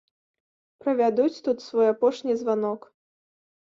Правядуць тут свой апошні званок.